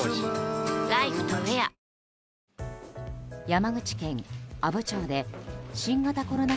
山口県阿武町で新型コロナ